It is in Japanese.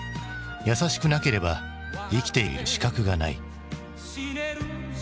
「やさしくなければ生きている資格がない」。